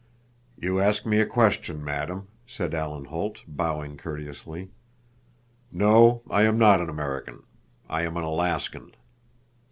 "You ask me a question, madam," said Alan Holt, bowing courteously. "No, I am not an American. I am an Alaskan."